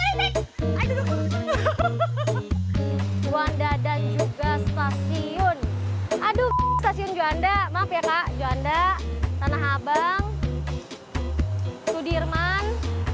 amerik tuanda dan juga stasiun adum stasiun john de karena habang sudirman